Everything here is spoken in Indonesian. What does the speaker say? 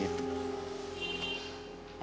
gak ada apa apa